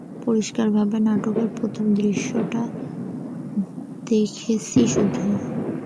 পরিষ্কারভাবেই, নাটকের প্রথম দৃশ্যটা দেখেছি শুধু!